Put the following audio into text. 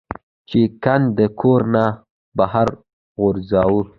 چې ګند د کور نه بهر غورځوه -